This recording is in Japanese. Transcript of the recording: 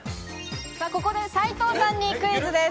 ここで斉藤さんにクイズです。